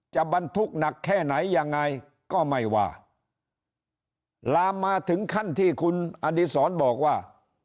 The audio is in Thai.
บรรทุกหนักแค่ไหนยังไงก็ไม่ว่าลามมาถึงขั้นที่คุณอดีศรบอกว่า